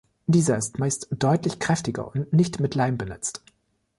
Dieser ist meist deutlich kräftiger und nicht mit Leim benetzt.